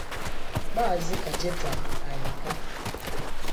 Maazị Cajetan Anyika